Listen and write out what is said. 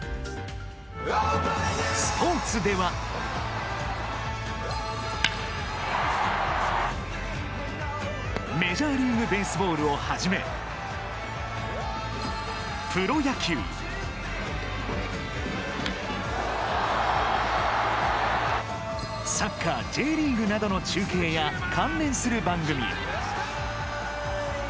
スポーツでは「メジャーリーグベースボール」をはじめ「プロ野球」「サッカーＪリーグ」などの中継や関連する番組。